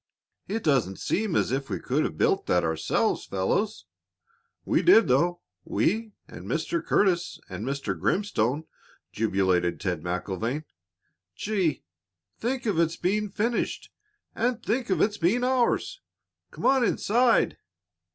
"It doesn't seem as if we could have built that ourselves, fellows." "We did, though we and Mr. Curtis and Mr. Grimstone!" jubilated Ted MacIlvaine. "Gee! Think of its being finished, and think of its being ours! Come on inside."